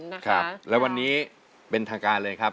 นะครับแล้ววันนี้เป็นทางการเลยครับ